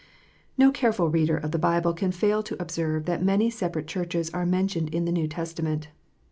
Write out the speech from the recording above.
No careful reader of the Bible can fail to observe that many separate Churches are mentioned in the New Testament.